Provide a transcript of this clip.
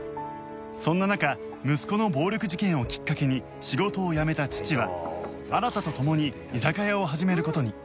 そんな中息子の暴力事件をきっかけに仕事を辞めた父は新と共に居酒屋を始める事に